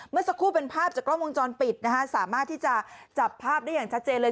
เมื่อสักครู่เป็นภาพจากกล้องวงจรปิดนะฮะสามารถที่จะจับภาพได้อย่างชัดเจนเลย